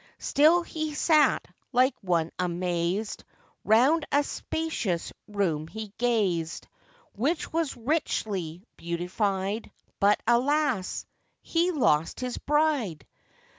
Still he sat like one amazed, Round a spacious room he gazed, Which was richly beautified; But, alas! he lost his bride.